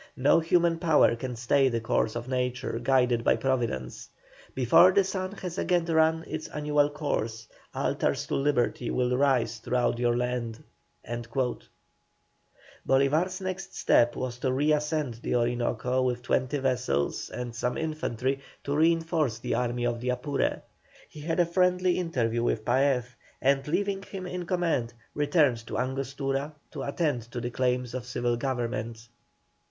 No human power can stay the course of Nature guided by Providence. Before the sun has again run his annual course altars to Liberty will arise throughout your land." Bolívar's next step was to re ascend the Orinoco with twenty vessels and some infantry to reinforce the Army of the Apure. He had a friendly interview with Paez, and leaving him in command, returned to Angostura to attend to the claims of civil government.